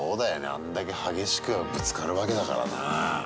あんだけ激しくぶつかるわけだからね。